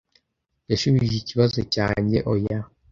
Yashubije ikibazo cyanjye "oya."